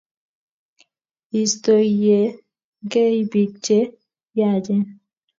Istoyenkei piik che yaachen.